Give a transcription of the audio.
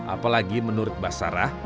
apalagi menurut basara